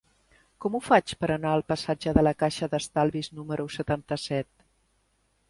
Com ho faig per anar al passatge de la Caixa d'Estalvis número setanta-set?